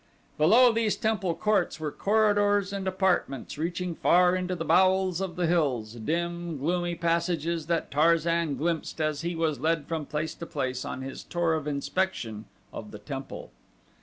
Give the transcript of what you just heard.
Below these temple courts were corridors and apartments reaching far into the bowels of the hills, dim, gloomy passages that Tarzan glimpsed as he was led from place to place on his tour of inspection of the temple.